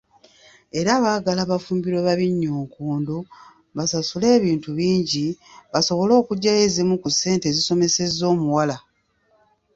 Era baagala bafumbirwe babinnyonkondo babasasule ebintu bingi basobole okuggyayo ezimu ku ssente ezisomesezza omuwala.